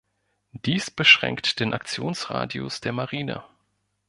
Dies beschränkt den Aktionsradius der Marine.